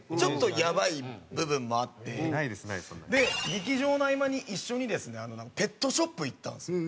劇場の合間に一緒にですねペットショップ行ったんですよ。